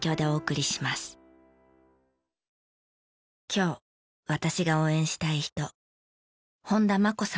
今日私が応援したい人。